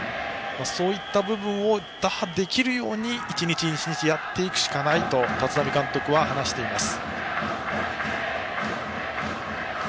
そういった部分を打破できるように１日１日やっていくしかないと立浪監督は話しています。